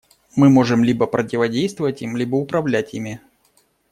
Мы можем либо противодействовать им, либо управлять ими.